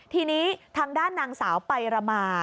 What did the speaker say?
ทีนี้ทางด้านนางสาวไประมา